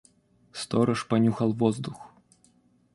Сторож понюхал воздух.